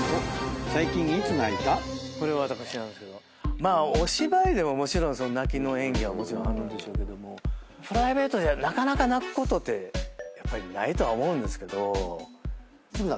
まあお芝居でももちろん泣きの演技はあるんでしょうけどプライベートではなかなか泣くことってやっぱりないとは思うんですけど。